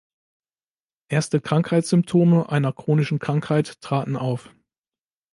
Erste Krankheitssymptome einer chronischen Krankheit traten auf.